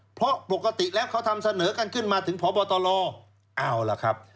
เพราะปกติแล้วเขาทำเสนอกันขึ้นมาถึงพบตลเอาล่ะครับ